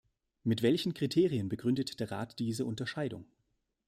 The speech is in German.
Mit welchen Kriterien begründet der Rat diese Unterscheidung?